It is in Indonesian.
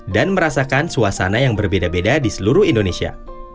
dan merasakan suasana yang berbeda beda di seluruh indonesia